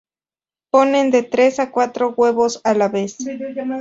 Ponen de tres a cuatro huevos a la vez.